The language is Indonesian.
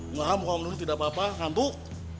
ngaham om dudung tidak apa apa ngantuk